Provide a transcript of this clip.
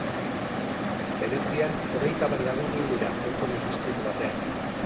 Venezian hogeita bat lagun hil dira autobus istripu batean.